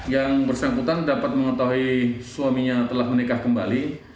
yang bersangkutan dapat mengetahui suaminya telah menikah kembali